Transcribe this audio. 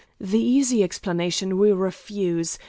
The easy explanation we refuse.